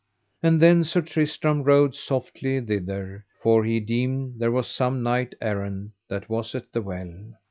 And then Sir Tristram rode softly thither, for he deemed there was some knight errant that was at the well.